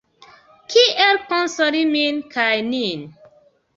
Kiel konsoli min kaj nin?